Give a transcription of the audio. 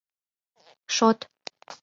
— Шот.